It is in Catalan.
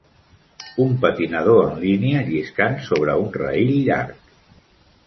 Un patinador en línia lliscant sobre un rail llarg.